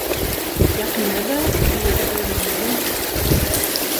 Ýakynda-da biri öýlenmeli.